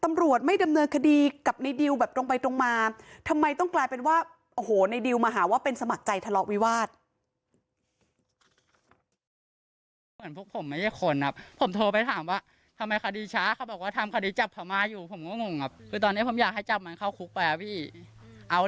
ตำรวจไม่ดำเนินคดีกับในดิวแบบตรงไปตรงมาทำไมต้องกลายเป็นว่าโอ้โหในดิวมาหาว่าเป็นสมัครใจทะเลาะวิวาส